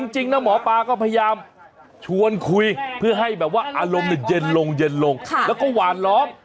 จริงนะหมอปลาก็พยายามชวนคุยเพื่อให้แบบว่าอารมณ์เย็นลงเย็นลงแล้วก็หวานล้อม